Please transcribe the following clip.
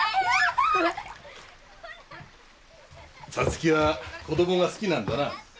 皐月は子供が好きなんだなあ。